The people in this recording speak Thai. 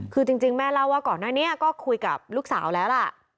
คือจริงแม่เล่าว่าก่อนหน้านี้ก็คุยกับลูกสาวแล้วล่ะ